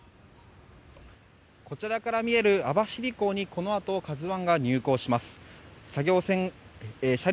こちらから見える網走港にこのあと「ＫＡＺＵ１」が入港します。